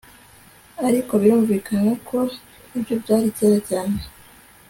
Ariko birumvikana ko ibyo byari kera cyane